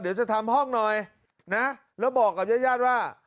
เดี๋ยวจะทำห้องหน่อยนะแล้วบอกกับญาติญาติว่า